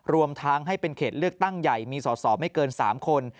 รวมทางให้เป็นเขตเลือกตั้งใหญ่มีสอสอไม่เกิน๓คน